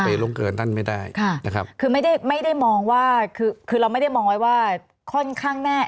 ไม่ลงเกินท่านไม่ได้คือไม่ได้มองว่าคือเราไม่ได้มองไว้ว่าค่อนข้างแน่